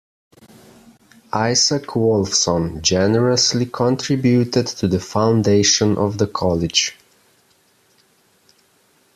Isaac Wolfson generously contributed to the foundation of the college.